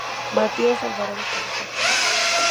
Matías Alvarado -Profesor-.